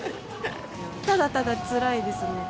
ただただつらいですね。